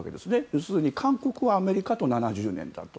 要するに韓国はアメリカと７０年だと。